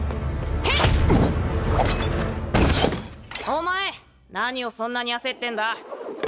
お前何をそんなに焦ってんだ？